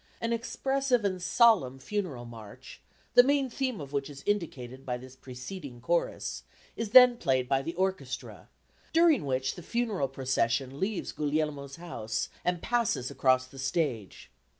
An expressive and solemn funeral march, the main theme of which is indicated by this preceding chorus, is then played by the orchestra, during which the funeral procession leaves Guglielmo's house and passes across the stage.